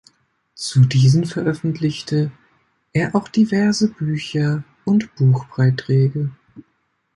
Zu diesen veröffentlichte er auch diverse Bücher und Buchbeiträge.